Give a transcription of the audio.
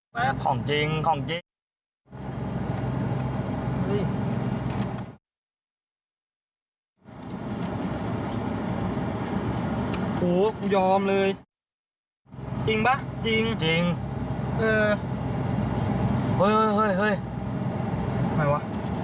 เฮ้ยเฮ้ยทำไมวะ